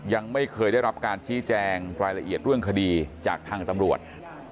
ยังไม่เคยได้รับการชี้แจงรายละเอียดเรื่องคดีจากทางตำรวจ